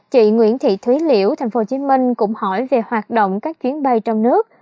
chị nguyễn thị thúy liễu tp hcm cũng hỏi về hoạt động các chuyến bay trong nước